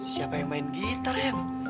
siapa yang main gitar hem